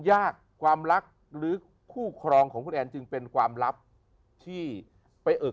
ยากความรักหรือคู่ครองของคุณแอนจึงเป็นความลับที่ไปเอิก